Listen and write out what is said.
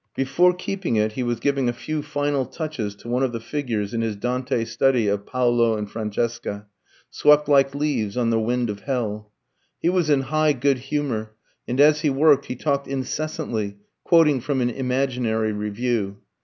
Before keeping it, he was giving a few final touches to one of the figures in his Dante study of Paolo and Francesca, swept like leaves on the wind of hell. He was in high good humour, and as he worked he talked incessantly, quoting from an imaginary review.